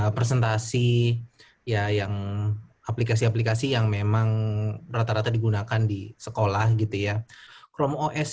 presentasi ya yang aplikasi aplikasi yang memang rata rata digunakan di sekolah gitu ya chrome os